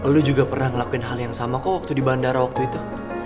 lu juga pernah ngelakuin hal yang sama kok waktu di bandara waktu itu